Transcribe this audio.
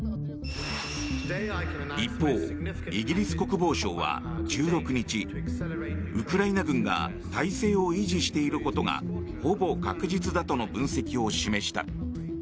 一方、イギリス国防省は１６日ウクライナ軍が態勢を維持していることがほぼ確実だとの分析を示した。